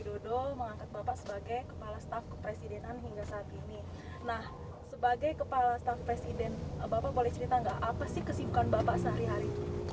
nah sebagai kepala staf presiden bapak boleh cerita nggak apa sih kesibukan bapak sehari hari